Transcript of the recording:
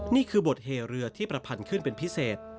นี่คือบทเหเรือที่ประพันธ์ขึ้นเป็นพิเศษ